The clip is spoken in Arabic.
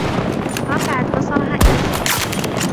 رفعت بصرها إلى السّقف.